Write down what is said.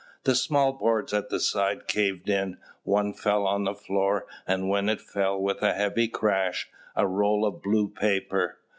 The small boards at the side caved in, one fell on the floor, and with it fell, with a heavy crash, a roll of blue paper.